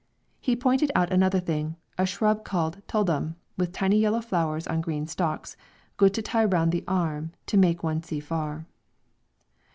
He pointed out another thing, a shrub called tuldum, with tiny yellow flowers on green stalks, good to tie round the arm to make one see far.